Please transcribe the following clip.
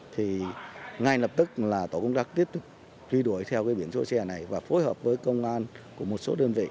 thì ngay lập tức là tổ công tác tiếp truy đuổi theo cái biển số xe này và phối hợp với công an của một số đơn vị